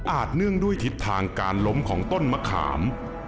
เนื่องด้วยทิศทางการล้มของต้นมะขาม